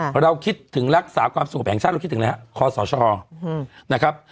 เพราะเราคิดถึงรักษาความสงบแห่งชาติเราคิดถึงอะไรฮะคอสชนะครับ